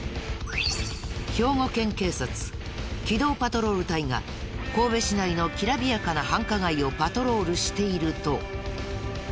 兵庫県警察機動パトロール隊が神戸市内のきらびやかな繁華街をパトロールしていると。